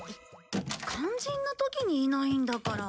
肝心な時にいないんだから。